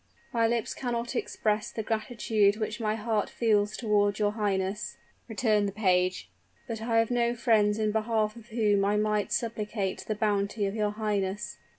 "My lips cannot express the gratitude which my heart feels toward your highness," returned the page, "but I have no friends in behalf of whom I might supplicate the bounty of your highness."